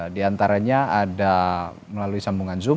diantaranya ada melalui sambungan zoom